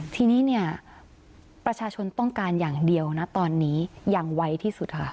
ทีนี้เนี่ยประชาชนต้องการอย่างเดียวนะตอนนี้อย่างไวที่สุดค่ะ